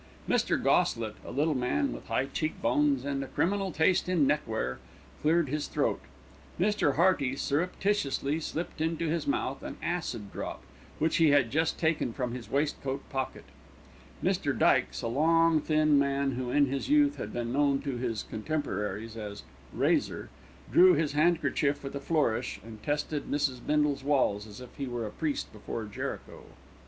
Mr. Goslett, a little man with high cheekbones and a criminal taste in neckwear, cleared his throat; Mr. Hearty surreptitiously slipped into his mouth an acid drop, which he had just taken from his waistcoat pocket; Mr. Dykes, a long, thin man, who in his youth had been known to his contemporaries as "Razor," drew his handkerchief with a flourish, and tested Mrs. Bindle's walls as if he were a priest before Jericho.